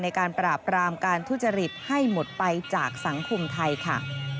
การปราบรามการทุจริตให้หมดไปจากสังคมไทยค่ะ